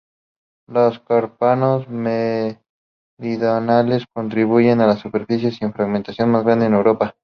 Los Cárpatos meridionales constituyen la superficie sin fragmentar más grande de Europa.